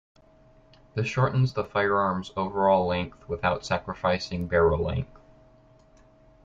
This shortens the firearm's overall length without sacrificing barrel length.